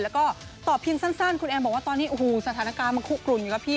แล้วก็ตอบเพียงสั้นคุณแอนบอกว่าตอนนี้โอ้โหสถานการณ์มันคุกกลุ่นอยู่แล้วพี่